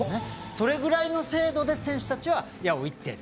それぐらいの精度で選手たちは矢を射っている。